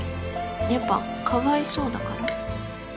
やっぱかわいそうだから？